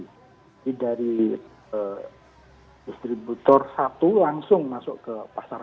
jadi dari distributor satu langsung masuk ke pasar